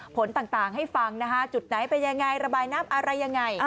ผลต่างให้ฟังนะคะจุดไหนเป็นยังไงระบายน้ำอะไรยังไง